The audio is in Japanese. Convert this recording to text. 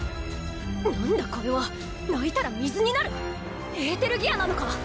何だこれは泣いたら水になる⁉エーテルギアなのか？